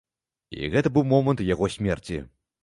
І гэта быў момант яго смерці.